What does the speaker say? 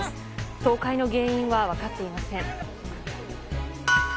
倒壊の原因は分かっていません。